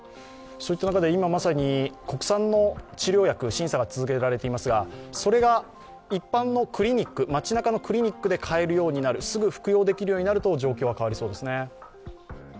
今まさに国産の治療薬審査が続けられていますがそれが一般のクリニック、街なかのクリニックで買えるようになる、すぐ服用できるようになると状況は変わりそうですね。